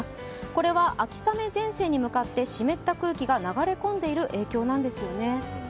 これは秋雨前線に向かって湿った空気が流れ込んでいる影響なんですね。